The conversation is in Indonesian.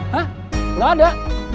hah gak ada